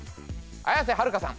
綾瀬はるかさん